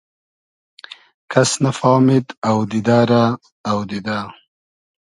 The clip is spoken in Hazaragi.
کئس نئفامید اۆدیدۂ رۂ اۆدیدۂ